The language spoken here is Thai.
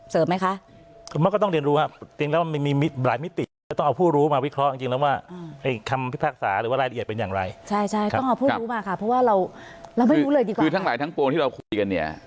จะเป็นอาจารย์ชาติเสิร์ฟไหมคะ